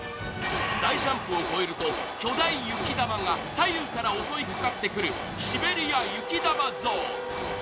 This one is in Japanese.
大ジャンプを超えると、巨大雪玉が左右から襲いかかってくるシベリア雪玉ゾーン。